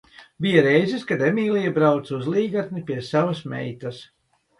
Bija reizes kad Emīlija brauca uz Līgatni pie savas meitas.